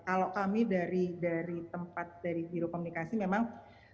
kalau kami dari tempat dari biro komunikasi memang